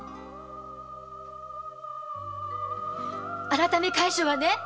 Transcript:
「改め会所」はね